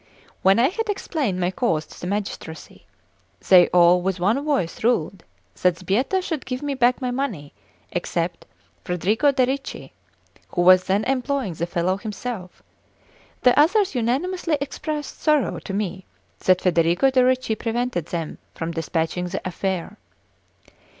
When I had explained my cause to the magistracy, they all with one voice ruled that Sbietta should give me back my money, except Federigo de' Ricci, who was then employing the fellow himself; the others unanimously expressed sorrow to me that Federigo de' Ricci prevented them from despatching the affair.